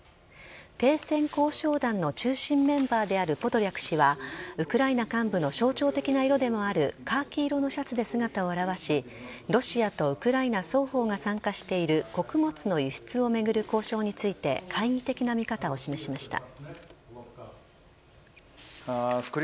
停戦交渉団の中心メンバーであるポドリャク氏はウクライナ幹部の象徴的な色でもあるカーキ色のシャツで姿を現しロシアとウクライナ双方が参加している穀物の輸出をめぐる交渉について懐疑的な見方を示しました。